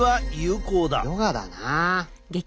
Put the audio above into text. ヨガだなあ。